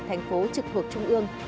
thành phố trực thuộc trung ương